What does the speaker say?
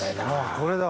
これだ！